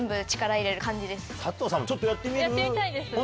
佐藤さんもちょっとやってみる？